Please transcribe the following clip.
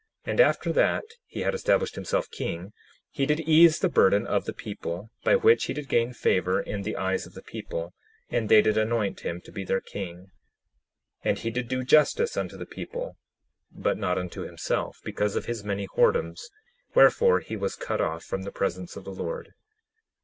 10:10 And after that he had established himself king he did ease the burden of the people, by which he did gain favor in the eyes of the people, and they did anoint him to be their king. 10:11 And he did do justice unto the people, but not unto himself because of his many whoredoms; wherefore he was cut off from the presence of the Lord.